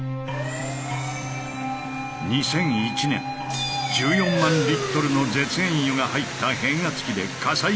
２００１年１４万リットルの絶縁油が入った変圧器で火災が発生。